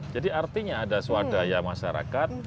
jadi artinya ada swadaya masyarakat